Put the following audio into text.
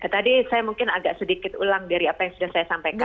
tadi saya mungkin agak sedikit ulang dari apa yang sudah saya sampaikan